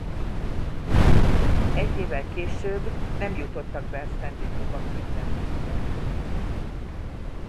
Egy évvel később nem jutottak be a Stanley-kupa küzdelmeibe.